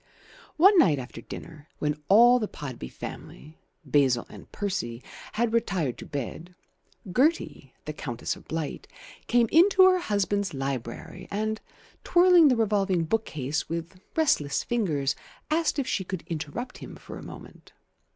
One night after dinner, when all the Podby family (Basil and Percy) had retired to bed, Gertie (Countess of Blight) came into her husband's library and, twirling the revolving bookcase with restless fingers, asked if she could interrupt him for a moment.